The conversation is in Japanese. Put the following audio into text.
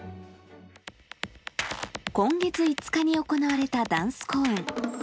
今月５日に行われたダンス公演。